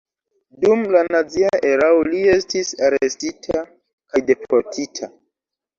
Dum la nazia erao li estis arestita kaj deportita.